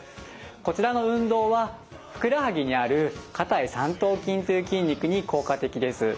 こちらの運動はふくらはぎにある下腿三頭筋という筋肉に効果的です。